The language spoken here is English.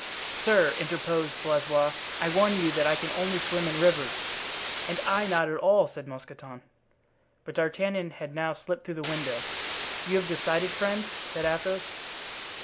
"Sir," interposed Blaisois, "I warn you that I can only swim in rivers." "And I not at all," said Mousqueton. But D'Artagnan had now slipped through the window. "You have decided, friend?" said Athos.